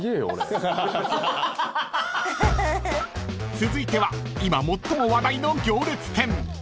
［続いては今最も話題の行列店］